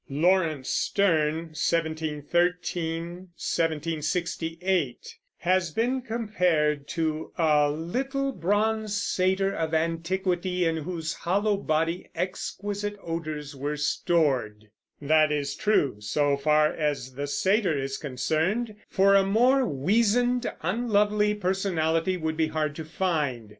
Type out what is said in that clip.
Lawrence Sterne (1713 1768) has been compared to a "little bronze satyr of antiquity in whose hollow body exquisite odors were stored." That is true, so far as the satyr is concerned; for a more weazened, unlovely personality would be hard to find.